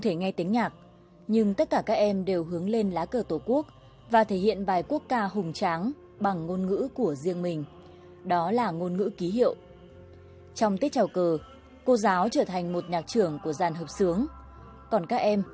hãy đăng ký kênh để ủng hộ kênh của mình nhé